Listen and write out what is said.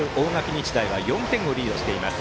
日大は４点をリードしています。